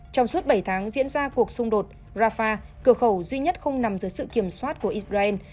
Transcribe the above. trong suốt bảy tháng diễn ra cuộc xung đột rafah cửa khẩu duy nhất không nằm dưới sự kiểm soát của israel